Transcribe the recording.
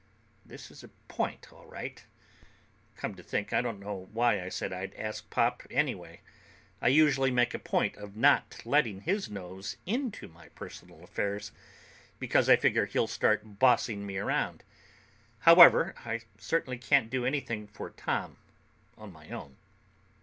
This is a point, all right. Come to think, I don't know why I said I'd ask Pop anyway. I usually make a point of not letting his nose into my personal affairs, because I figure he'll just start bossing me around. However, I certainly can't do anything for Tom on my own.